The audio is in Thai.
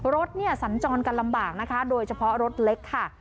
รถเนี่ยสัญจรกันลำบากนะคะโดยเฉพาะรถเล็กค่ะ